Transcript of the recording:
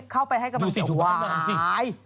เข้าไปให้กำลังใจ